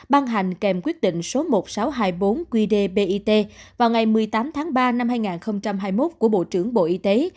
ban hành kèm quyết định số một nghìn sáu trăm hai mươi bốn qdbit vào ngày một mươi tám tháng ba năm hai nghìn hai mươi một của bộ trưởng bộ y tế